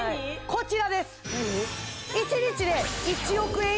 こちらです